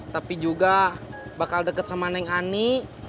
tapi juga bakal dekat sama neng ani